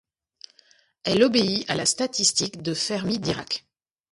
Elle obéit à la statistique de Fermi-Dirac.